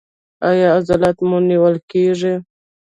ایا عضلات مو نیول کیږي؟